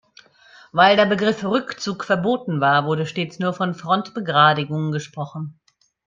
Weil der Begriff "Rückzug" verboten war, wurde stets nur von Frontbegradigung gesprochen.